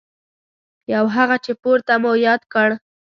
یو هغه چې پورته مو یاد کړ.